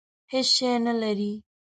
هېڅ شی نه لري.